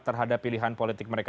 terhadap pilihan politik mereka